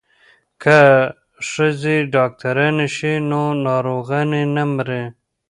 که ښځې ډاکټرانې شي نو ناروغانې نه مري.